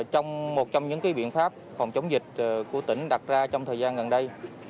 trong một trong những biện pháp phòng chống dịch của tỉnh đặt ra trong thời gian gần đây